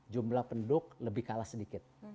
jumlah penduduk lebih kalah sedikit